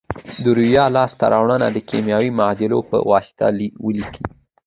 د یوریا لاس ته راوړنه د کیمیاوي معادلو په واسطه ولیکئ.